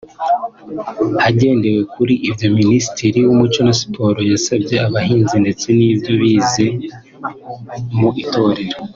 Hagendewe kuri ibyo Minisitiri w’Umuco na Siporo yasabye abahanzi ndetse n’ibyo bize mu itorero